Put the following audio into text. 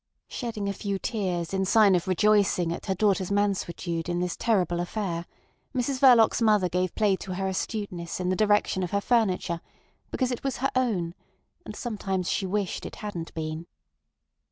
Shedding a few tears in sign of rejoicing at her daughter's mansuetude in this terrible affair, Mrs Verloc's mother gave play to her astuteness in the direction of her furniture, because it was her own; and sometimes she wished it hadn't been.